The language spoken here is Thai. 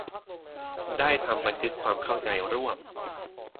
ได้ทำบันทึกความเข้าใจร่วม